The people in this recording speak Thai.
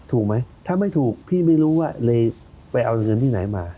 ถูกไหมถ้าไม่ถูกพี่ไม่รู้ว่าเลยไปเอาเงินที่ไหนมา